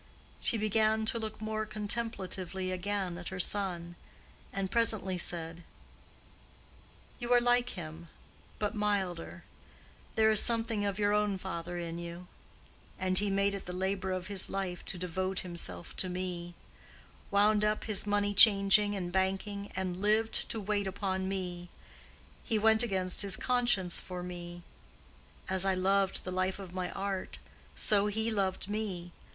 She began to look more contemplatively again at her son, and presently said, "You are like him—but milder—there is something of your own father in you; and he made it the labor of his life to devote himself to me: wound up his money changing and banking, and lived to wait upon me—he went against his conscience for me. As I loved the life of my art, so he loved me.